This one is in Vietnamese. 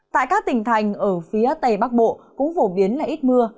tại các tỉnh thành ở phía tây bắc bộ cũng phổ biến là ít mưa